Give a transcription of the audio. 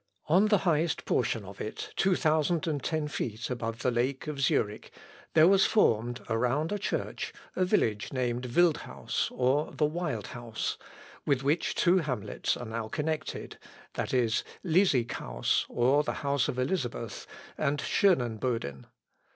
On the highest portion of it, 2010 feet above the Lake of Zurich, there was formed, around a church, a village named Wildhaus, or the Wild House, with which two hamlets are now connected, viz., Lisighaus, or the House of Elizabeth, and Schœnenboden.